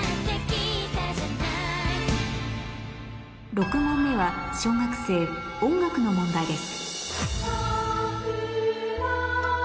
６問目は小学生音楽の問題です